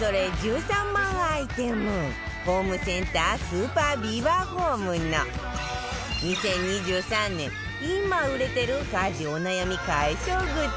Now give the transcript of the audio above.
アイテムホームセンタースーパービバホームの２０２３年今売れてる家事お悩み解消グッズ